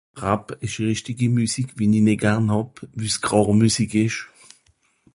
rapp esch rìchtigi musique wie ni nìt garn hàb wu's grààr musique esch